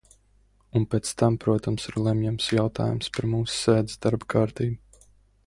Un pēc tam, protams, ir lemjams jautājums par mūsu sēdes darba kārtību.